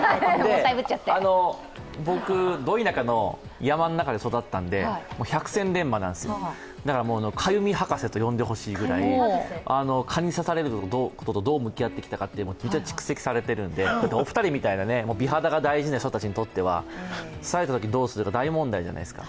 僕、ど田舎中の山の中で育ったので百戦錬磨なんですよ、だから、かゆみ博士と呼んでほしいぐらい蚊に刺されることとどう向き合うのかが蓄積されてるんでお二人みたいな美肌が大事に育った人たちにとって刺されたときにどうするか、大問題じゃないですか。